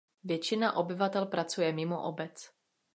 Většina obyvatel pracuje mimo obec.